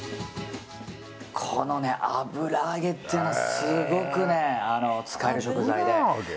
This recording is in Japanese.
この油揚げっていうのはすごく使える食材で。